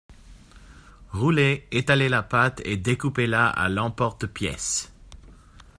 Roulez, étalez la pâte et découpez-la à l’emporte-pièce.